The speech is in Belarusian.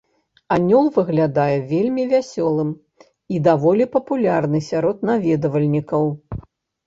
Анёл выглядае вельмі вясёлым і даволі папулярны сярод наведвальнікаў.